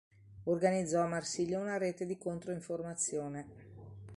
Organizzò a Marsiglia una rete di contro-informazione.